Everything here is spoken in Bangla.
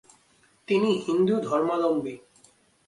তিনি হিন্দু ধর্মাবলম্বী।